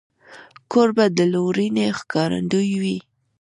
کوربه د لورینې ښکارندوی وي.